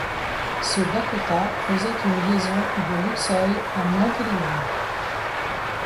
Ce Dakota faisait une liaison de Luxeuil à Montélimar.